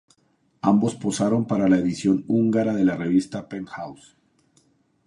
Ambos posaron para la edición húngara de la revista "Penthouse".